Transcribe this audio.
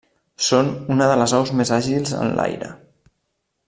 Són una de les aus més àgils en l'aire.